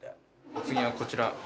お次はこちら。